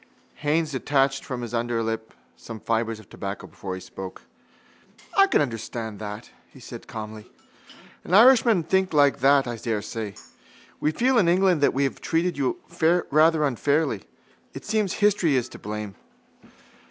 Haines detached from his underlip some fibres of tobacco before he spoke. —I can quite understand that, he said calmly. An Irishman must think like that, I daresay. We feel in England that we have treated you rather unfairly. It seems history is to blame.